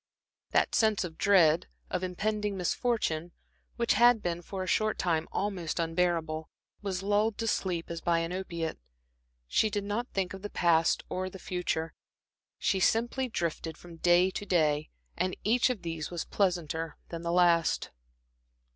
That sense of dread, of impending misfortune, which had been for a short time almost unbearable, was lulled to sleep as by an opiate. She did not think of the past or the future, she simply drifted from day to day, and each of these was pleasanter than the last.